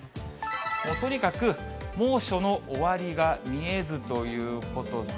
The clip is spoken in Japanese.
とにかく猛暑の終わりが見えずということで。